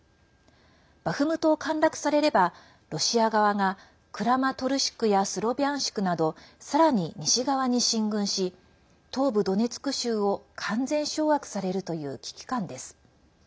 バフムトを陥落されればロシア側がクラマトルシクやスロビャンシクなどさらに西側に進軍し東部ドネツク州を完全掌握されるという危機感です。